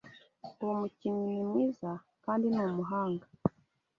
Uwo mukinnyi ni mwiza kandi ni umuhanga.